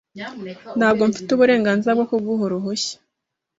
Ntabwo mfite uburenganzira bwo kuguha uruhushya.